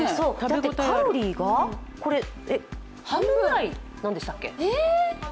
カロリーが半分ぐらいなんでしたっけ？